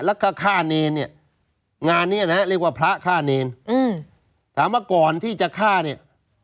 แล้วก็ฆ่าเนรเนี่ยงานเนี้ยนะฮะเรียกว่าพระฆ่าเนรอืมถามว่าก่อนที่จะฆ่าเนี่ย